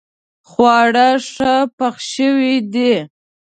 خواړه ښه پخ شوي دي